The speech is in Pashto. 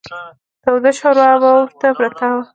توده شوروا به ورته پرته وه.